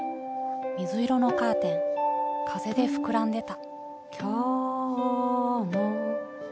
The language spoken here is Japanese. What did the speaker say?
水色のカーテン風で膨らんでた。